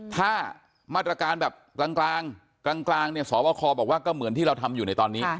ถ้ามาตรการแบบกลางกลางเนี่ยสวบคบอกว่าก็เหมือนที่เราทำอยู่ในตอนนี้